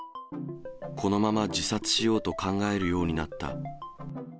このまま自殺しようと考えるようになった。